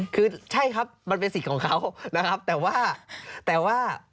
คือใช่ครับมันเป็นสิทธิ์ของเขานะครับแต่ว่าแต่ว่า